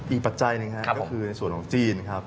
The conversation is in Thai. ปัจจัยหนึ่งครับก็คือในส่วนของจีนครับ